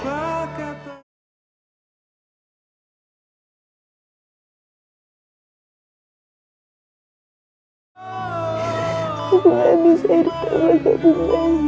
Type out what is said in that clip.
aku akuat melihat kamu seperti ini